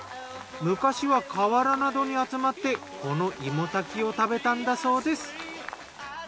昔は河原などに集まってこの芋炊きを食べたんだそうです。